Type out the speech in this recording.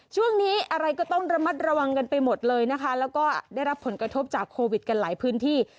ช่วงนี้อะไรก็ต้องระมัดระวังกันไปหมดเลยนะคะแล้วก็ได้รับผลกระทบจากโควิดกันหลายพื้นที่